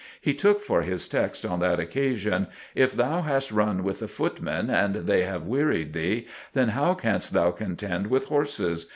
He took for his text on that occasion: "If thou hast run with the footmen and they have wearied thee, then how canst thou contend with horses?